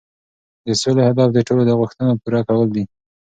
د سولې هدف د ټولو د غوښتنو پوره کول دي.